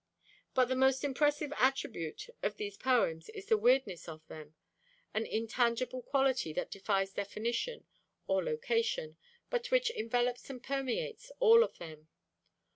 But the most impressive attribute of these poems is the weirdness of them, an intangible quality that defies definition or location, but which envelops and permeates all of them.